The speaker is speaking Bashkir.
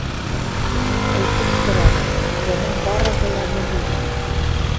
Әйтеп торам, бының барыһы ла мөһим.